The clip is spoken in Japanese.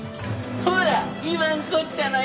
ほら言わんこっちゃない。